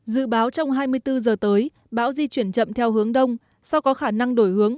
dự báo trong hai mươi bốn giờ tới bão di chuyển chậm theo hướng đông sau có khả năng đổi hướng